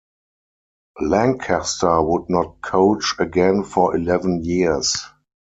Lancaster would not coach again for eleven years.